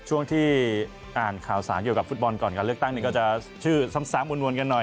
ช่วงที่อ่านข่าวสารเกี่ยวกับฟุตบอลก่อนการเลือกตั้งนี้ก็จะชื่อซ้ำมวลกันหน่อย